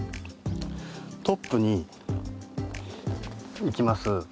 トップにいきます。